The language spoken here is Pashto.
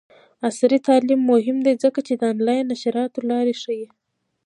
عصري تعلیم مهم دی ځکه چې د آنلاین نشراتو لارې ښيي.